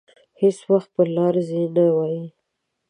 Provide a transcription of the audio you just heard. هېڅ وخت په لاره ځي نه وايي.